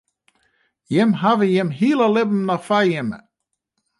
Jimme hawwe jimme hiele libben noch foar jimme.